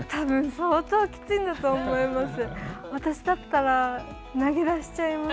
相当きついんだと思います。